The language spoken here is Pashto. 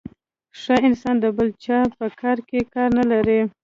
ښه انسان د بل چا په کار کي کار نلري .